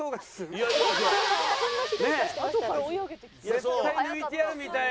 絶対抜いてやるみたいな。